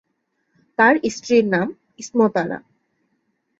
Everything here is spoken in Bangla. তার স্ত্রীর নাম ইসমত আরা।